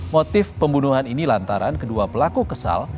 motif pembunuhan ini lantaran kedua pelaku kesal